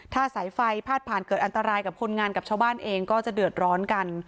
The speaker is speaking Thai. ถ้าสายไฟพาดผ่านเกิดอันตรายกับคนงานกับชาวบ้านเองก็จะเดือดร้อนกัน